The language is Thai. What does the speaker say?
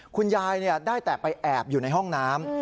คุณยายได้แต่ไปแอบอยู่ในห้องน้ำ